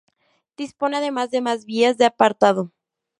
Dispone además de más vías de apartado.